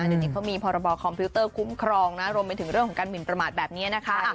เดี๋ยวนี้เขามีพรบคอมพิวเตอร์คุ้มครองนะรวมไปถึงเรื่องของการหมินประมาทแบบนี้นะคะ